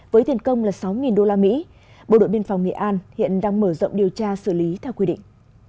với tiền công là sáu usd bộ đội biên phòng nghệ an hiện đang mở rộng điều tra xử lý theo quy định